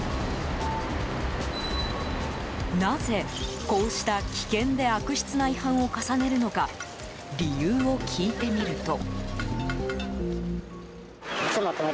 なぜ、こうした危険で悪質な違反を重ねるのか理由を聞いてみると。